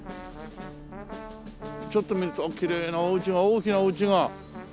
ちょっと見るときれいなお家が大きなお家が。